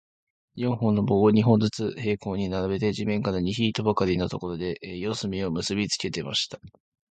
四本の棒を、二本ずつ平行に並べて、地面から二フィートばかりのところで、四隅を結びつけました。